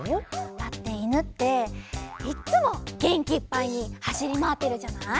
だっていぬっていっつもげんきいっぱいにはしりまわってるじゃない？